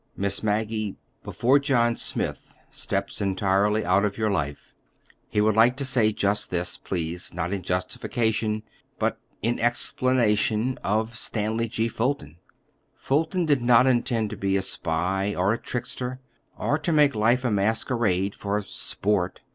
"Miss Maggie, before John Smith steps entirely out of your life, he would like to say just this, please, not on justification, but on explanation of——of Stanley G. Fulton. Fulton did not intend to be a spy, or a trickster, or to make life a masquerade for—sport.